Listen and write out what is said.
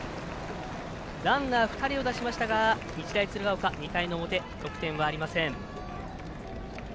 ランナー２人を出しましたが日大鶴ヶ丘２回の表、得点はありません。